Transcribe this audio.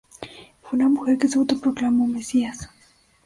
Fue una mujer que se auto-proclamó Mesías.